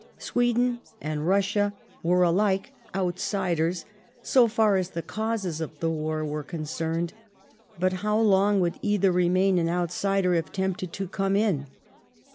Sweden and Eussia were alike ' outsiders ' so far as the causes of the war were concerned, but how long would either remain an ' outsider ' if tempted to come in